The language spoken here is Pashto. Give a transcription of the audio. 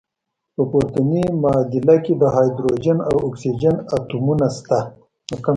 په پورتني معادله کې د هایدروجن او اکسیجن اتومونه شته.